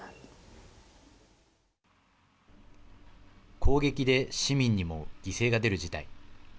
攻撃で市民にも犠牲が出る事態。